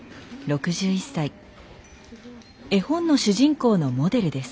絵本の主人公のモデルです。